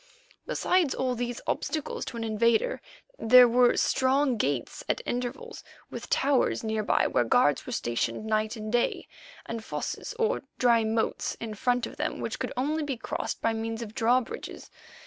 Besides all these obstacles to an invader there were strong gates at intervals, with towers near by where guards were stationed night and day, and fosses or dry moats in front of them which could only be crossed by means of drawbridges.